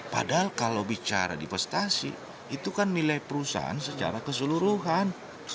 padahal kalau bicara divestasi itu kan nilai perusahaan secara keseluruhan